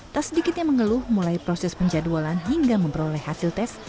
tak sedikit yang mengeluh mulai proses penjadwalan hingga memperoleh hasil tes